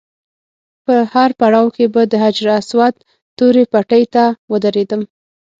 په هر پړاو کې به د حجر اسود تورې پټۍ ته ودرېدم.